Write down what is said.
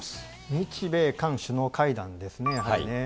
日米韓首脳会談ですね、やはりね。